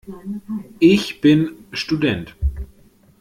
Ich bin Student.